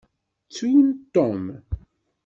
Ttun Tom.